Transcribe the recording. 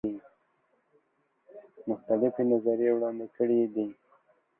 مختلفي نظریې وړاندي کړي دي.